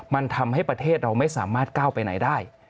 มันทำให้ประเทศเราไม่สามารถก้าวไปไหนได้